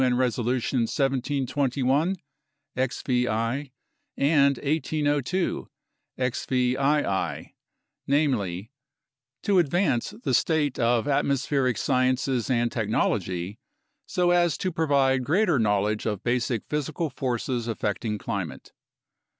N. Resolutions 1721 (XVI) and 1802 (XVII), namely, "to advance the state of atmospheric sciences and technology so as to provide greater knowledge of basic physical forces affect ing climate